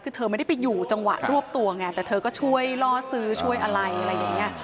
คือเธอไม่ได้ไปอยู่จังหวะรวบตัวไงแต่เธอก็ช่วยล่อซื้อช่วยอะไรอะไรอย่างนี้